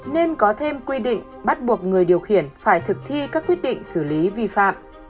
nên có thêm quy định bắt buộc người điều khiển phải thực thi các quyết định xử lý vi phạm